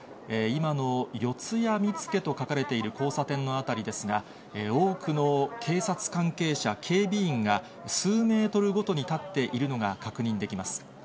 今の四谷見附と書かれている交差点の辺りですが、多くの警察関係者、警備員が、数メートルごとに立っているのが確認できます。